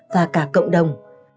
và cả cộng đồng